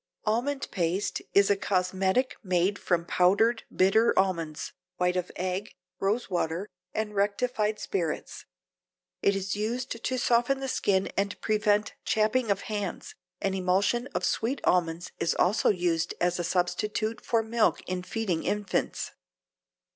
Almond paste is a cosmetic made from powdered bitter almonds, white of egg, rose water and rectified spirits. It is used to soften the skin and prevent chapping of hands. An emulsion of sweet almonds is also used as a substitute for milk in feeding infants.